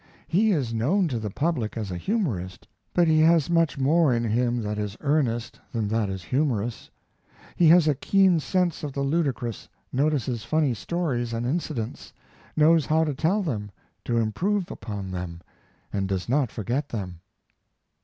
He is known to the public as a humorist, but he has much more in him that is earnest than that is humorous. He has a keen sense of the ludicrous, notices funny stories and incidents, knows how to tell them, to improve upon them, and does not forget them.